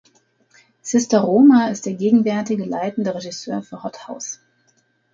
Sister Roma ist der gegenwärtige leitende Regisseur für "Hot House".